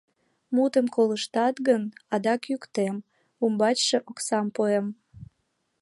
Мутем колыштат гын, адак йӱктем, ӱмбачше оксам пуэм.